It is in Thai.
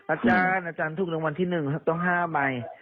อาจารย์อาจารย์ถูกรางวัลที่๑ต้อง๕ใบ